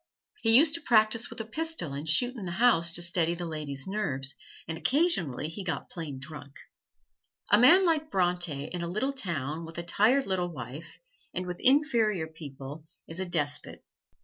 He used to practise with a pistol and shoot in the house to steady the lady's nerves, and occasionally he got plain drunk. A man like Bronte in a little town with a tired little wife, and with inferior people, is a despot.